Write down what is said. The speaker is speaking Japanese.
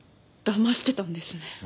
だましてたんですね。